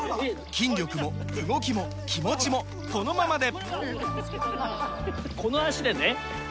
筋力も動きも気持ちもこのままで！